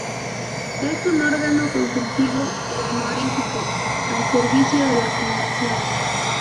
Es un órgano consultivo y honorífico al servicio de la Fundación.